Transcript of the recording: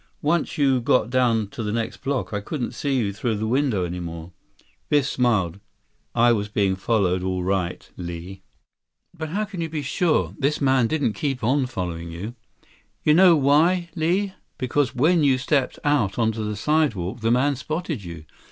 Once you got down to the next block, I couldn't see you through the window any more." Biff smiled. "I was being followed, all right, Li." "But how can you be sure? This man didn't keep on following you." 80 "You know why, Li? Because when you stepped out on the sidewalk, the man spotted you.